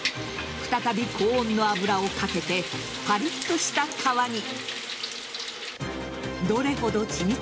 再び高温の油をかけてパリッとした皮に。